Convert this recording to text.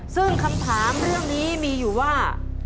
ซึ่งคำถามเรื่องนี้มีอยู่ว่า